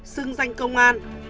xưng danh công an